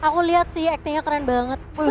aku lihat sih actingnya keren banget